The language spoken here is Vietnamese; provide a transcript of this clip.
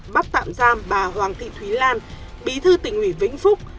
bắt tạm giam bà hoàng thị thúy lan bí thư tỉnh ủy vĩnh phúc